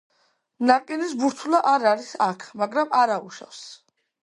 ნაყინის ბურთულა არ არის აქ, მაგრამ არაუშავს.